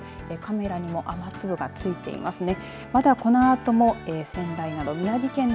カメラにも雨粒がついてますね。